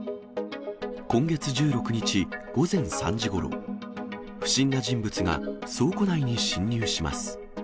今月１６日午前３時ごろ、不審な人物が倉庫内に侵入します。